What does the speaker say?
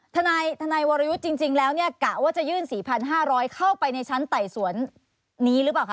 ทนายวรยุทธ์จริงแล้วเนี่ยกะว่าจะยื่น๔๕๐๐เข้าไปในชั้นไต่สวนนี้หรือเปล่าคะ